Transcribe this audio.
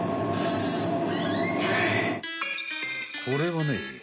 これはね